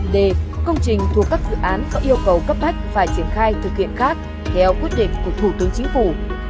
d công trình thuộc các dự án có yêu cầu cấp bách phải triển khai thực hiện khác theo quyết định của thủ tướng chính phủ